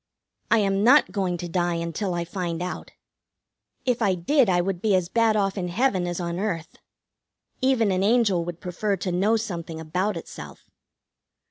I am not going to die until I find out. If I did I would be as bad off in heaven as on earth. Even an angel would prefer to know something about itself.